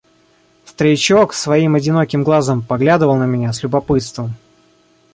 Старичок своим одиноким глазом поглядывал на меня с любопытством.